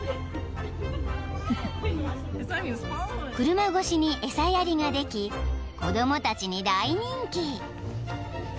［車越しに餌やりができ子供たちに大人気］